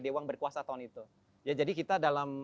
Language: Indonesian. dewang berkuasa tahun itu ya jadi kita dalam